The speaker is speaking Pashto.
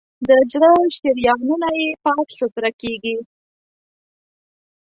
د زړه شریانونه یې پاک سوتړه کېږي.